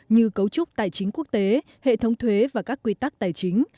như cấu trúc tài chính quốc tế hệ thống thuế và các quy tắc tài chính